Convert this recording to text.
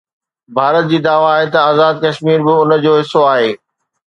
ڀارت جي دعويٰ آهي ته آزاد ڪشمير به ان جو حصو آهي.